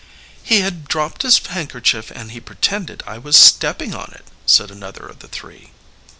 "He had dropped his handkerchief, and he pretended I was stepping on it," said another of the three.